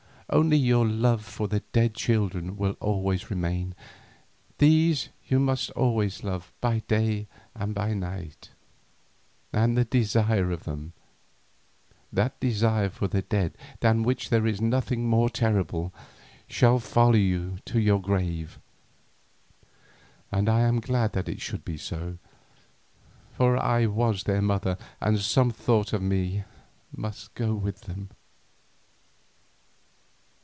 Only your love for the dead children will always remain, these you must always love by day and by night, and the desire of them, that desire for the dead than which there is nothing more terrible, shall follow you to your grave, and I am glad that it should be so, for I was their mother and some thought of me must go with them.